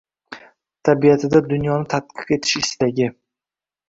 Tabiatida dunyoni tadqiq etish istagi